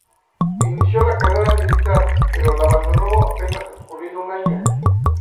Inició la carrera militar, pero la abandonó apenas transcurrido un año.